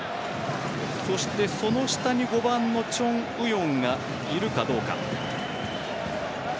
そして、その下に５番のチョン・ウヨンがいるかどうか。